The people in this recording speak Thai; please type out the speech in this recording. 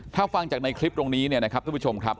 ถ้าฟังจากในคลิปตรงนี้เนี่ยนะครับทุกผู้ชมครับ